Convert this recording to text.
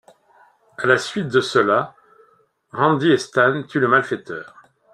À la suite de cela, Randy et Stan tuent le malfaiteur.